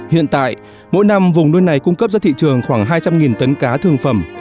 hiện tại mỗi năm vùng nuôi này cung cấp ra thị trường khoảng hai trăm linh tấn cá thương phẩm